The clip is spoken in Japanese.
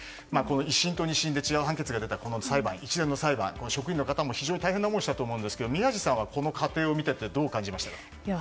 １審と２審で違う判決が出たこの一連の裁判職員の方も非常に大変な思いをしたと思うんですけれども宮司さん、この過程を見ていてどう感じましたか？